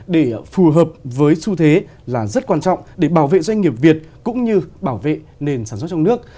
để phù hợp với xu thế là rất quan trọng để bảo vệ doanh nghiệp việt cũng như bảo vệ nền sản xuất trong nước